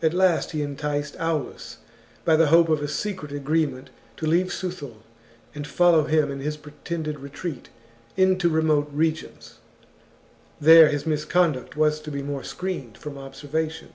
At last he enticed Aulus by the hope of a secret agreement, to leave Suthul and follow him in his pretended retreat into remote regions. • [There his misconduct was to be more screened from observation.